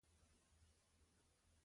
زما مذهب حنیفي دی.